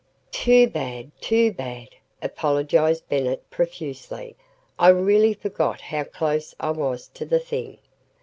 "Too bad, too bad," apologized Bennett profusely. "I really forgot how close I was to the thing."